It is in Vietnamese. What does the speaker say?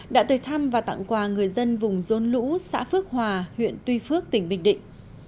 đã tới thăm và tặng quà người dân vùng rốn lũ xã phước hòa huyện tuy phước tỉnh bình định